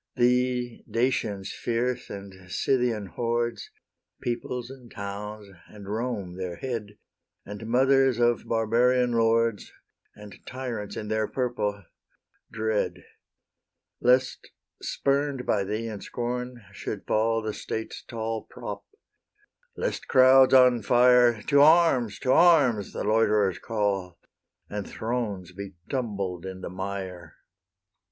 Thee Dacians fierce, and Scythian hordes, Peoples and towns, and Koine, their head, And mothers of barbarian lords, And tyrants in their purple dread, Lest, spurn'd by thee in scorn, should fall The state's tall prop, lest crowds on fire To arms, to arms! the loiterers call, And thrones be tumbled in the mire.